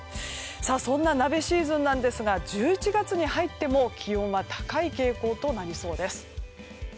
そんな鍋シーズンですが１１月に入っても気温は高い傾向となりそうです。